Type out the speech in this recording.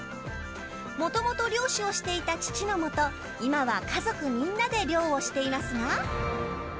もともと漁師をしていた父のもと今は家族みんなで漁をしていますが。